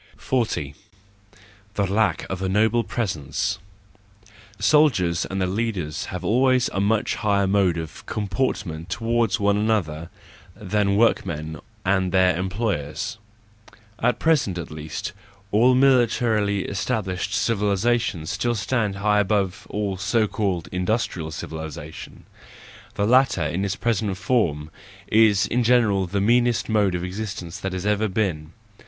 40. The Lack of a noble Presence. —Soldiers and their leaders have always a much higher mode of com¬ portment toward one another than workmen and their employers. At present at least, all militarily established civilisation still stands high above all so called industrial civilisation; the latter, in its present form, is in general the meanest mode of existence that has ever been.